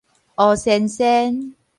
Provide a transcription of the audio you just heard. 烏鉎鉎